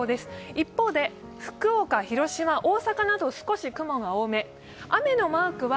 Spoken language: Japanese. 一方で福岡、広島、大阪など少し雲が多め、雨のマークは